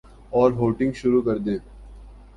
اورہوٹنگ شروع کردیں۔